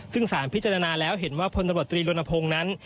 ซึ่งสารพิจารณาแล้วเห็นว่าพลตำรวจตรีรณพงศ์นั้น